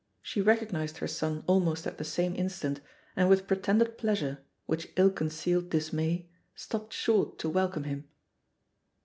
She recognised her son almost at the same instant, and with pretended pleasure^ 9?vrhich ill concealed dismay^ stopped short to wel come him.